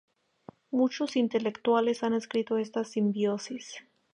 Muchos intelectuales han descrito esta simbiosis.